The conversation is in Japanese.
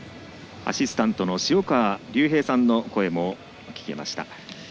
アシスタントの塩川竜平さんの声も聞けました。